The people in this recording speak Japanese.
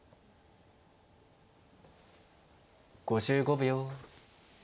５５秒。